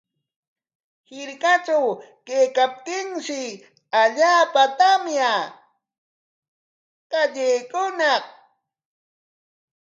Hirkatraw kaykaptinshi allaapa tamya qallaykuñaq.